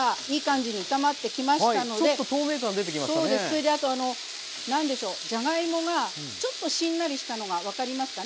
それであと何でしょうじゃがいもがちょっとしんなりしたのが分かりますかね？